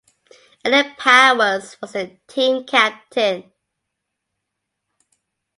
Eddie Powers was the team captain.